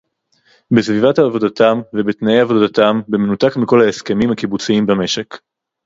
בסביבת עבודתם ובתנאי עבודתם במנותק מכל ההסכמים הקיבוציים במשק